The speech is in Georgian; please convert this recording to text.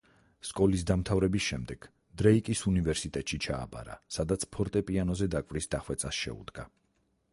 სკოლის დამთავრების შემდეგ დრეიკის უნივერსიტეტში ჩააბარა, სადაც ფორტეპიანოზე დაკვრის დახვეწას შეუდგა.